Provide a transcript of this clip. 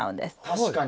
確かに。